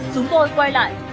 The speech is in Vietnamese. chúng tôi quay lại